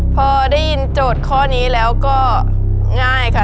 พอได้ยินโจทย์ข้อนี้แล้วก็ง่ายค่ะ